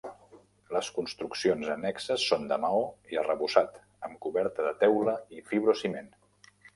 Les construccions annexes són de maó i arrebossat amb coberta de teula i fibrociment.